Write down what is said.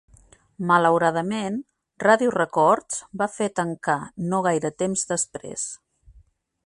Malauradament, Radio Records va fer tancar no gaire temps després.